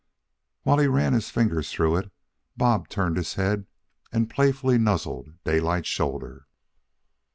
While he ran his fingers through it, Bob turned his head and playfully nuzzled Daylight's shoulder.